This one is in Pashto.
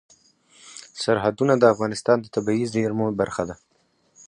سرحدونه د افغانستان د طبیعي زیرمو برخه ده.